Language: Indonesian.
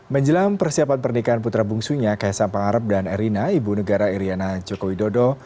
menjelam persiapan pernikahan putra bungsunya kaisa pangarap dan erina ibu negara iryana joko widodo